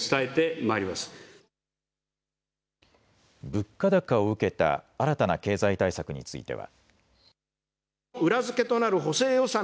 物価高を受けた新たな経済対策については。